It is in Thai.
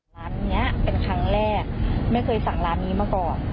ร้านนี้เป็นครั้งแรกไม่เคยสั่งร้านนี้มาก่อน